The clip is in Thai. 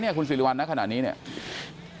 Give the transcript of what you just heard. คุณภาคภูมิพยายามอยู่ในจุดที่ปลอดภัยด้วยนะคะ